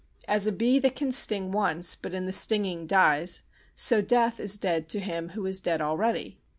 As a bee that can sting once but in the stinging dies, so Death is dead to him who is dead already.